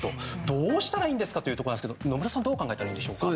どうしたらいいんですか？というところですが野村さんどう考えたらいいんですか。